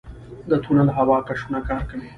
د تونل هوا کشونه کار کوي؟